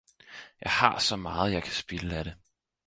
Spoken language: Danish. Jeg har så meget jeg kan spilde af det!